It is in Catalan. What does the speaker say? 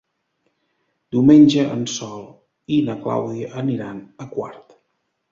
Diumenge en Sol i na Clàudia aniran a Quart.